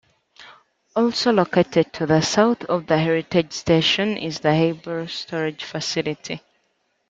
Also located to the south of the Heritage station is the "Haysboro Storage Facility".